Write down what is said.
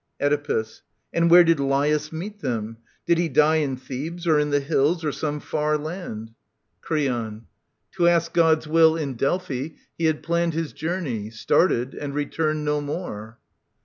Oedipus. And where did Laius meet them ? Did he die In Thebes, or in the hills, or some far land ? 8 Tv.ii4 ia7 OEDIPUS, KING OF THEBES Creon. To ask God's will in Delphi he had planned His journey. Started and retuiiicd no more.'